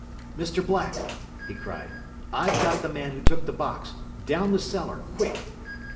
] "Mr. Black," he cried, "I've got the man who took the box! Down the cellar! Quick!